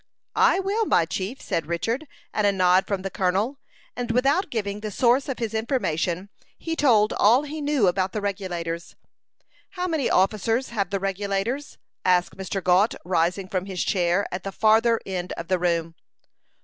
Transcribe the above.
"I will, my chief," said Richard, at a nod from the colonel; and, without giving the source of his information, he told all he knew about the Regulators. "How many officers have the Regulators?" asked Mr. Gault, rising from his chair, at the farther end of the room.